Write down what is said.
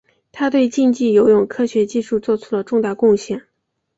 他对竞技游泳科学技术做出了重大贡献。